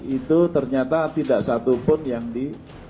itu ternyata tidak satu pun yang di